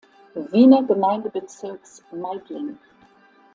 Wiener Gemeindebezirks Meidling.